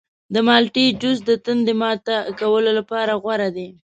د مالټې جوس د تندې ماته کولو لپاره غوره دی.